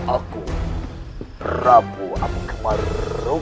aku akan membayarkan